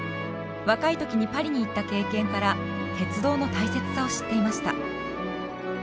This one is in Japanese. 若い時にパリに行った経験から鉄道の大切さを知っていました。